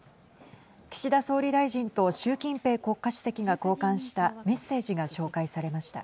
岸田総理大臣と習近平国家主席が交換したメッセージが紹介されました。